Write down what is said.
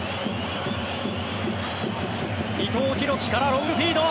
伊藤洋輝からロングフィード。